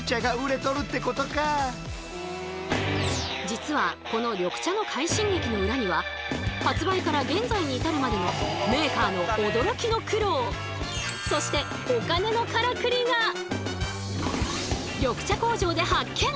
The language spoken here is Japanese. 実はこの緑茶の快進撃の裏には発売から現在に至るまでのメーカーの驚きの苦労そして緑茶工場で発見！